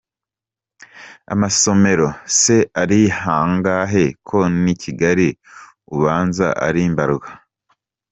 Amasomero se ari hangahe ko n’i Kigali ubanze ari mbarwa.